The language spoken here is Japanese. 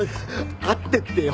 会ってってよ。